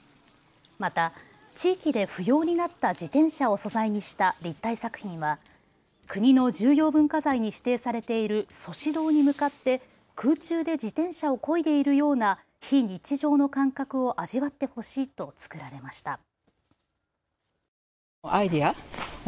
また地域で不要になった自転車を素材にした立体作品は国の重要文化財に指定されている祖師堂に向かって空中で自転車をこいでいるような非日常の感覚を味わってほしいと作られました。